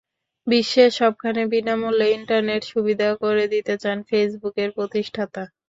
বিশ্বের সবখানে বিনা মূল্যে ইন্টারনেট সুবিধা করে দিতে চান ফেসবুকের প্রতিষ্ঠাতা।